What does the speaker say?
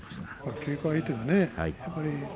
稽古相手がね